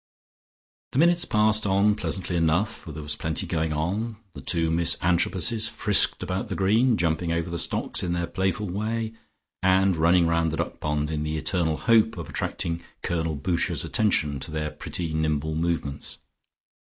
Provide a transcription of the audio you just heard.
The minutes passed on pleasantly enough, for there was plenty going on. The two Miss Antrobuses frisked about the green, jumping over the stocks in their playful way, and running round the duck pond in the eternal hope of attracting Colonel Boucher's attention to their pretty nimble movements.